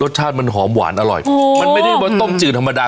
รสชาติมันหอมหวานอร่อยมันไม่ได้ว่าต้มจืดธรรมดา